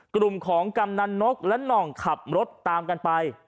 กลุ่มของกำนันนกและหน่องขับรถตามกันไป